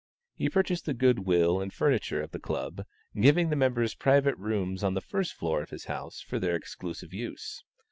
He purchased the good will and furniture of the club, giving the members private rooms on the first floor of his house for their exclusive use.